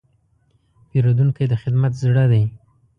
پیرودونکی د خدمت زړه دی.